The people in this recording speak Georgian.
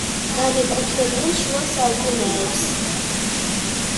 განეკუთვნებიან შუა საუკუნეებს.